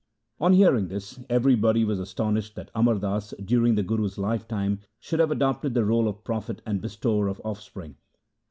On hearing this everybody was astonished that Amar Das during the Guru's lifetime should have adopted the role of prophet and bestower of offspring.